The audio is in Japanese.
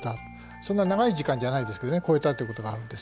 そんな長い時間じゃないですけど超えたということがあるんですね。